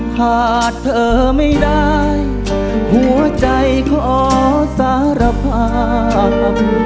ขาดเธอไม่ได้หัวใจขอสารภาพ